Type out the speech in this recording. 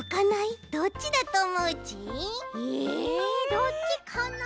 えどっちかな？